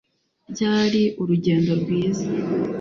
Ryari urugendo rwiza